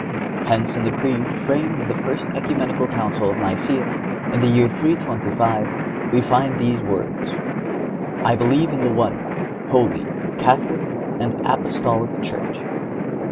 Hence in the Creed framed in the first Ecumenical Council of Nicæa, in the year 325, we find these words: "I believe in the One, Holy, Catholic and Apostolic Church."